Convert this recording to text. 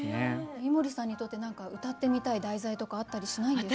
井森さんにとって何か歌ってみたい題材とかあったりしないんですか？